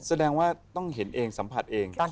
แสดงว่าต้องเห็นเองสัมผัสเอง